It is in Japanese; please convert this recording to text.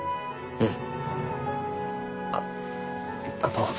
うん。